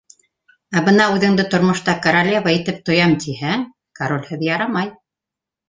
Ә бына үҙеңде был тормошта королева итеп тоям тиһәң, королһеҙ ярамай!